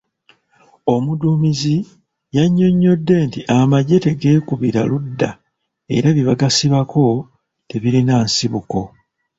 Omudduumizi yannyonyodde nti amagye tegeekubira ludda era byebagasibako tebirina nsibuko.